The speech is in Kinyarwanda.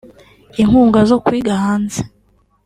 inkunga zo kwiga hanze